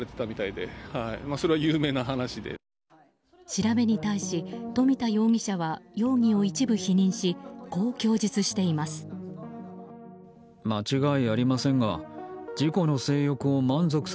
調べに対し、富田容疑者は容疑を一部否認しこう供述しています。